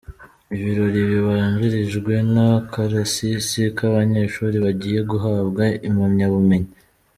Ibirori bibanjirijwe n’akarasisi k’abanyeshuri bagiye guhabwa impamyabumenyi.